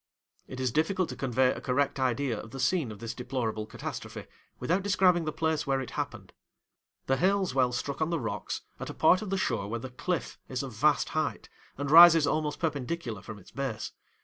'It is difficult to convey a correct idea of the scene of this deplorable catastrophe, without describing the place where it happened. The Haleswell struck on the rocks at a part of the shore where the cliff is of vast height, and rises almost perpendicular from its base.